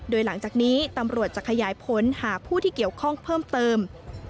โดยหลังจากนี้ตำรวจจะขยายผลหาผู้ที่เกี่ยวข้องเพิ่มเติม